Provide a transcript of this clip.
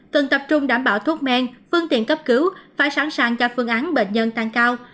cần tập trung đảm bảo thuốc men phương tiện cấp cứu phải sẵn sàng cho phương án bệnh nhân tăng cao